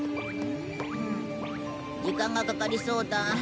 時間がかかりそうだ。